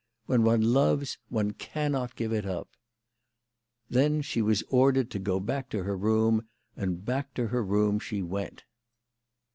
When one loves, one cannot give it up." Then she was ordered to go back to her room, and back to her room she went.